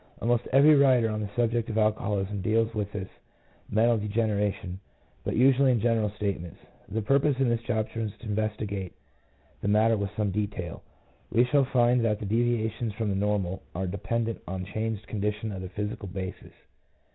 Almost every writer on the subject of alcoholism deals with this mental degeneration, but usually in general statements; the purpose in this chapter is to investigate the matter with some detail. We shall find that the deviations from the normal are dependent on a changed condition of the physical basis.